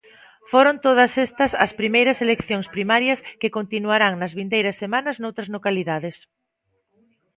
Foron todas estas as primeiras eleccións primarias que continuarán nas vindeiras semanas noutras localidades.